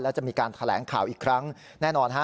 แล้วจะมีการแถลงข่าวอีกครั้งแน่นอนฮะ